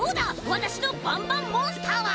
わたしのバンバンモンスターは！